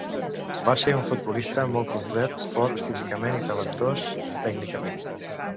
Va ser un futbolista molt complet, fort físicament i talentós tècnicament.